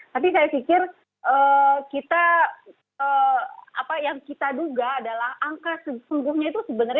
tapi saya pikir kita apa yang kita duga adalah angka sesungguhnya itu sebenarnya